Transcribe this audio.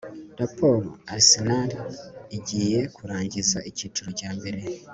Raporo Arsenal igiye kurangiza icyiciro cya mbere